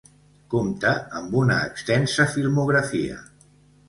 Compta amb una extensa filmografia.